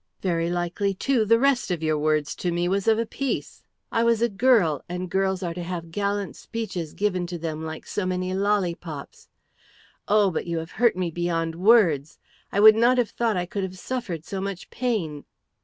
"Very likely, too, the rest of your words to me was of a piece. I was a girl, and girls are to have gallant speeches given to them like so many lollipops. Oh, but you have hurt me beyond words. I would not have thought I could have suffered so much pain!"